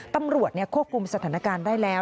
ตำรวจควบคุมสถานการณ์ได้แล้ว